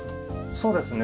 そうですね。